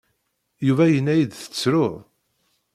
Yuba yenna-yi-d tettruḍ.